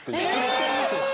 １人ずつです。